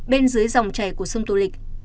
bên dưới dòng trẻ của sông tô lịch